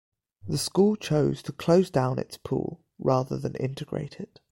The school chose to close down its pool rather than integrate it.